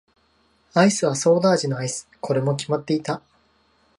アイスはソーダ味のアイス。これも決まっていた。